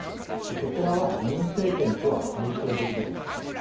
こちらは、ムン政権とは対照的です。